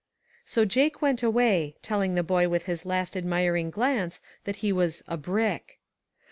So Jake went away, telling the boy with his last admiring glance that he was "a brick."